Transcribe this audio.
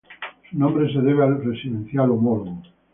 Su nombre se debe al residencial homólogo.